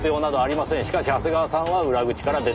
しかし長谷川さんは裏口から出ていった。